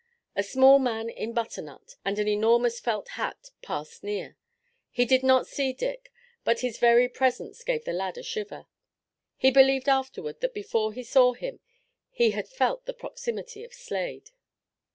A small man in butternut and an enormous felt hat passed near. He did not see Dick, but his very presence gave the lad a shiver. He believed afterward that before he saw him he had felt the proximity of Slade.